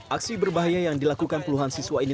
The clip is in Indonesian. aksi berbahaya yang dilakukan puluhan siswa ini